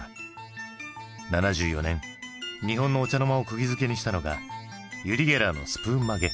７４年日本のお茶の間をくぎづけにしたのがユリ・ゲラーのスプーン曲げ。